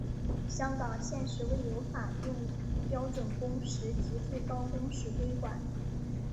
香港现时未有法定标准工时及最高工时规管。